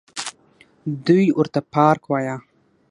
دوى ورته پارک وايه.